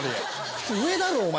普通上だろお前。